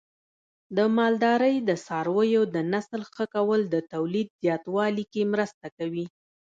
د مالدارۍ د څارویو د نسل ښه کول د تولید زیاتوالي کې مرسته کوي.